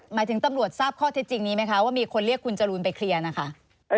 หมายถึงตำรวจทราบข้อเท็จจริงนี้ไหมคะว่ามีคนเรียกคุณจรูนไปเคลียร์นะคะ